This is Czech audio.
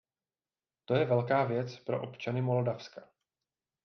To je velká věc pro občany Moldavska.